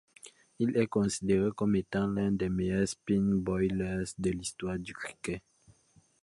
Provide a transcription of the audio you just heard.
Il est considéré comme étant l'un des meilleurs spin bowlers de l'histoire du cricket.